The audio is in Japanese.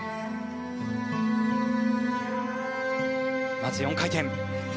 まず、４回転。